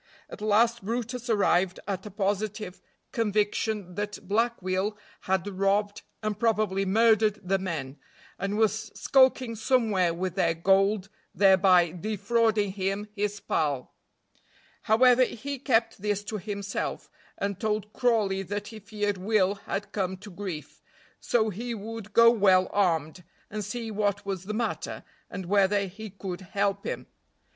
At last brutus arrived at a positive conviction that Black Will had robbed and probably murdered the men, and was skulking somewhere with their gold, thereby defrauding him, his pal; however, he kept this to himself, and told Crawley that he feared Will had come to grief, so he would go well armed, and see what was the matter, and whether he could help him.